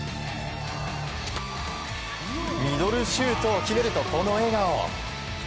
ミドルシュートを決めるとこの笑顔。